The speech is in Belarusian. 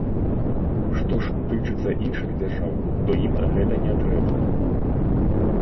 Што ж тычыцца іншых дзяржаў, то ім гэта не трэба.